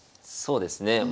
そうですね。